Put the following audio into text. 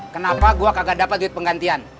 kenapa gua kagak dapet duit penggantian